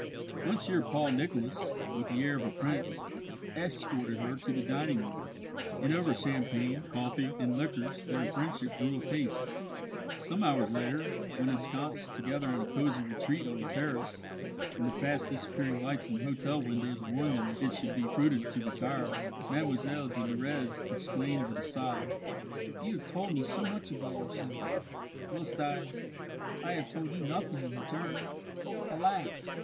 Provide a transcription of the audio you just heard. Monsieur Paul Nicholas, with the air of a prince, escorted her to the dining room; and over champagne, coffee, and liqueurs their friendship grew apace. Some hours later, when ensconced together in a cosy retreat on the terrace, and the fast disappearing lights in the hotel windows warned them it would soon be prudent to retire, Mlle de Nurrez exclaimed with a sigh: "You have told me so much about yourself, whilst I I have told you nothing in return. Alas!